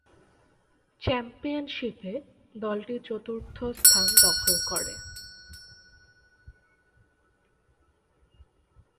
চ্যাম্পিয়নশীপে দলটি চতুর্থ স্থান দখল করে।